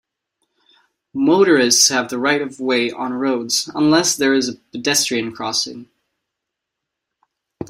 Motorists have the right of way on roads unless there is a pedestrian crossing.